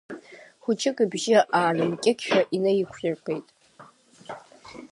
Хәыҷык ибжьы аарымкьыкьшәа инаиқәиргеит.